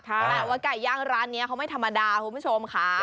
แต่ว่าไก่ย่างร้านนี้เขาไม่ธรรมดาคุณผู้ชมค่ะ